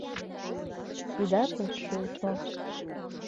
Тидат ыш полшо.